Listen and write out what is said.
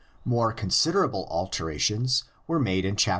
More considerable altera tions were made in xxxvi.